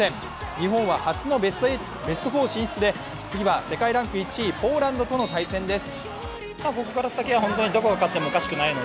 日本は初のベスト４進出で次は世界ランク１位、ポーランドとの対戦です。